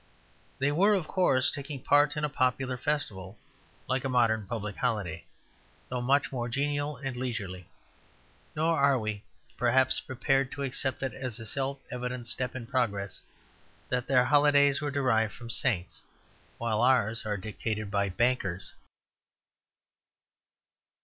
They were, of course, taking part in a popular festival like a modern public holiday, though much more genial and leisurely. Nor are we, perhaps, prepared to accept it as a self evident step in progress that their holidays were derived from saints, while ours are dictated by bankers.